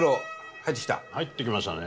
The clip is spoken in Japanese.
入ってきましたね。